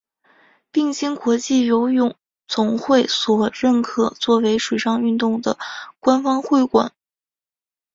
并经国际游泳总会所认可作为水上运动的官方会馆。